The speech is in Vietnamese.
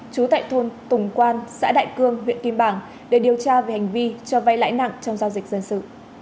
trú tại thôn tùng quan xã đại cương huyện kim bảng để điều tra về hành vi cho vay lãi nặng trong giao dịch dân sự